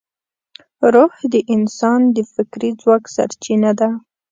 روح د انسان د فکري ځواک سرچینه ده.